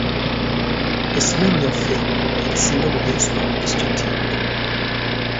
Essomero lyaffe lye lisinga mu byensoma mu disitulikiti yonna.